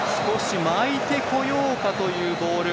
少し巻いてこようかというボール。